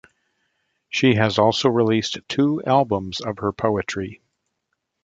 She has also released two albums of her poetry.